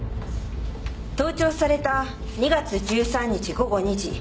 盗聴された２月１３日午後２時。